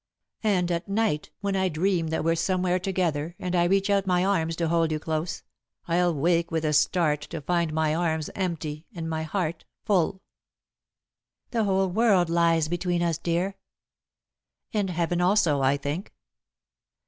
"And at night, when I dream that we're somewhere together, and I reach out my arms to hold you close, I'll wake with a start, to find my arms empty and my heart full." "The whole world lies between us, dear." "And heaven also, I think."